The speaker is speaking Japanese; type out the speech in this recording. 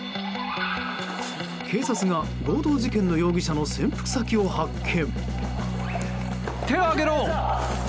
警察が強盗事件の容疑者の潜伏先を発見。